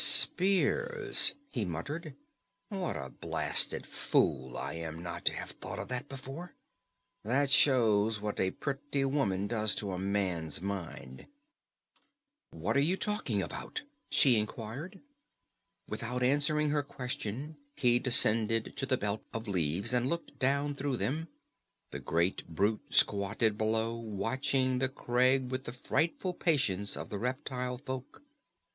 "Spears!" he muttered. "What a blasted fool I am not to have thought of that before! That shows what a pretty woman does to a man's mind." "What are you talking about?" she inquired. Without answering her question, he descended to the belt of leaves and looked down through them. The great brute squatted below, watching the crag with the frightful patience of the reptile folk.